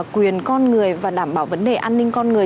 quyền con người và đảm bảo vấn đề an ninh con người